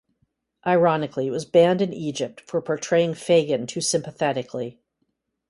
Ironically, it was banned in Egypt for portraying Fagin too sympathetically.